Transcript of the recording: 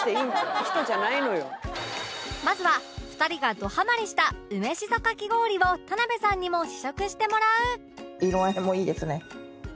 まずは２人がどハマりした梅しそかき氷を田辺さんにも試食してもらう